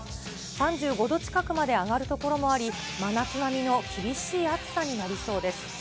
３５度近くまで上がる所もあり、真夏並みの厳しい暑さになりそうです。